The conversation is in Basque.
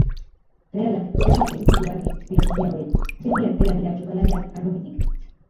Realak beti eduki du argi filosofia hori: beti atera dira jokalariak harrobitik.